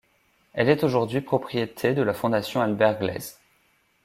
Elle est aujourd'hui propriété de la fondation Albert Gleizes.